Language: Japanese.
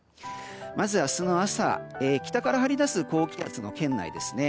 まずは明日の朝北から張り出す高気圧の圏内ですね。